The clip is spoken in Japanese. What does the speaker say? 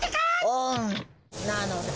オン！なのだ。